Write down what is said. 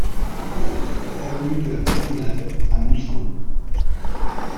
Avenue de la Promenade à Moussan